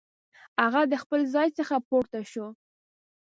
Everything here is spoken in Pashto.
هغه د خپل ځای څخه پورته شو.